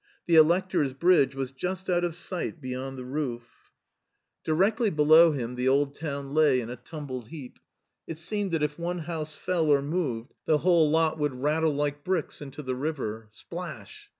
The Elector's Bridge was just out of sight beyond the roof. Dir^jr u MARTIN SCHULER below him the old town lay in a tumbled heap. It seemed that if one house fell or moved the whole lot would rattle like bricks into the river. Splash